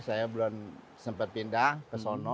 saya belum sempat pindah ke sana